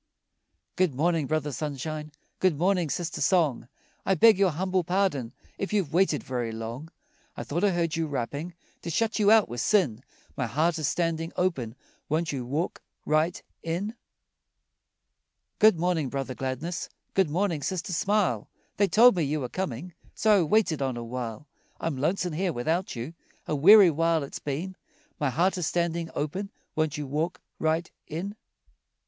Good morning, Brother Sunshine, Good morning, Sister Song, I beg your humble pardon If you've waited very long. I thought I heard you rapping, To shut you out were sin, My heart is standing open, Won't you walk right in? Good morning, Brother Gladness, Good morning, Sister Smile, They told me you were coming, So I waited on a while. I'm lonesome here without you, A weary while it's been, My heart is standing open, Won't you walk right in?